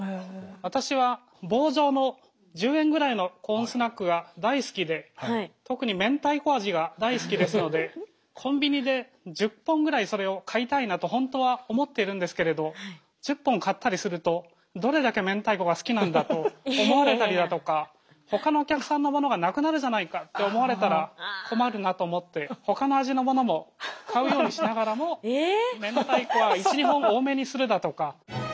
私は棒状の１０円ぐらいのコーンスナックが大好きで特にめんたいこ味が大好きですのでコンビニで１０本ぐらいそれを買いたいなと本当は思ってるんですけれど１０本買ったりするとどれだけめんたいこが好きなんだと思われたりだとかほかのお客さんのものがなくなるじゃないかって思われたら困るなと思ってほかの味のものも買うようにしながらもめんたいこは１２本多めにするだとか。